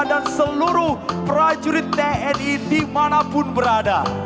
dan seluruh prajurit tni dimanapun berada